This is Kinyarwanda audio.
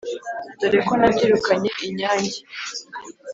Dore ko nabyirukanye inyange